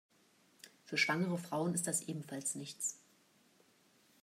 Für schwangere Frauen ist das ebenfalls nichts.